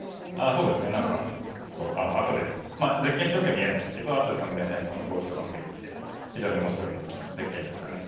そうですね何かあとで実験してる時は見えないんですけどあとで目線の動きとか見れて非常に面白い実験でしたね。